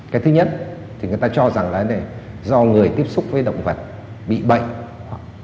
cái thứ nhất thì người ta cho rằng là do người tiếp xúc với động vật bị bệnh